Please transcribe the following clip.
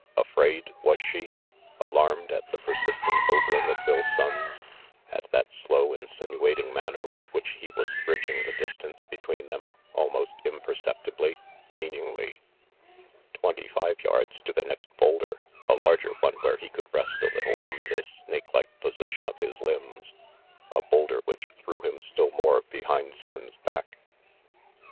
Afraid, was she? Alarmed at the persistent ogling of Bill Sonnes, at that slow, insinuating manner with which he was bridging the distance between them, almost imperceptibly, meaningly. Twenty five yards to the next boulder, a larger one where he could rest a little from this snakelike position of his limbs, a boulder which threw him still more behind Sonnes' back.